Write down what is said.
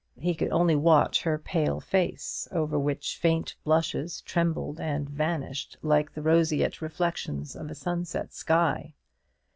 He could only watch her pale face, over which faint blushes trembled and vanished like the roseate reflections of a sunset sky.